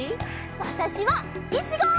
わたしはいちご！